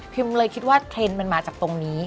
เลยคิดว่าเทรนด์มันมาจากตรงนี้